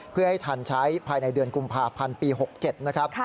เพื่อให้ทันใช้ภายในเดือนกุมภาพันธ์ปี๖๗นะครับ